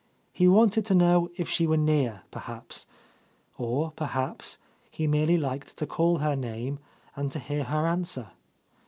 He wanted to know if she were near, perhaps; or, perhaps, he merely liked to call her name and to hear her answer.